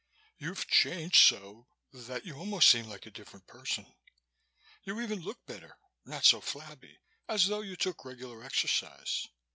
"You've changed so that you almost seem like a different person. You even look better, not so flabby, as though you took regular exercise.